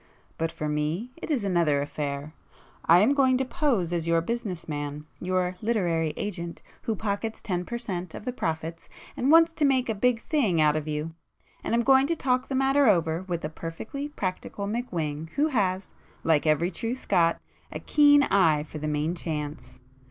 But for me it is another affair. I am going to 'pose' as your businessman—your 'literary agent' who pockets ten per cent. of the profits and wants to make a 'big thing' out of you, and I'm going to talk the matter over with the perfectly practical McWhing who has, like every true Scot, a keen eye for the main chance.